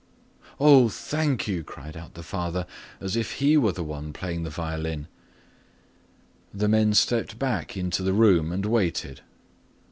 "Oh, thank you," cried out the father, as if he were the one playing the violin. The men stepped back into the room and waited.